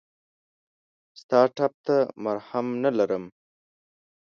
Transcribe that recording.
ستا ټپ ته مرهم نه لرم !